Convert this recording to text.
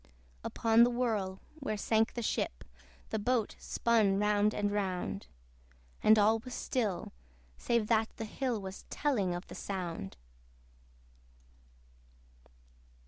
Upon the whirl, where sank the ship, The boat spun round and round; And all was still, save that the hill Was telling of the sound.